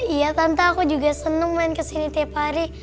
iya tante aku juga senang main kesini tiap hari